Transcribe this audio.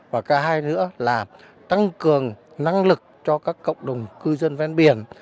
và cái hai nữa là tăng cường năng lực cho các cộng đồng cư dân ven biển